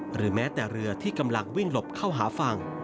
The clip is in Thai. หรือแม้แต่เรือที่กำลังวิ่งหลบเข้าหาฝั่ง